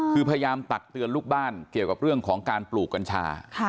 คือพยายามตักเตือนลูกบ้านเกี่ยวกับเรื่องของการปลูกกัญชา